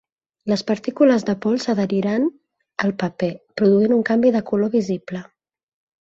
Les partícules de pols s'adheriran al paper, produint un canvi de color visible.